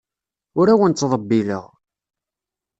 Ur awen-ttḍebbileɣ.